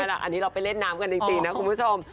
อันนี้เราไปเล่นน้ำกันจริงนะคุณผู้ชม